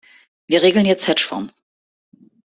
Wir regeln jetzt Hedgefonds.